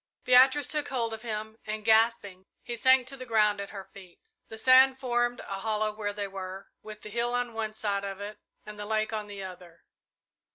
Beatrice took hold of him, and, gasping, he sank to the ground at her feet. The sand formed a hollow where they were, with the hill on one side of it and the lake on the other.